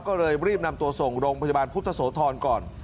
ก็เลยรีบนำตัวส่งโรงพยาบาลพุทธโสธรก่อน